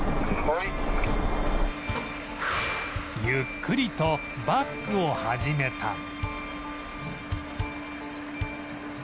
ゆっくりとバックを始めた